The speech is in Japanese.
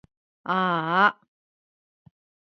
あーあ